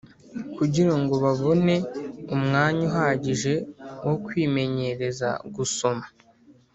kugira ngo babone umwanya uhagije wo kwimenyereza gusoma.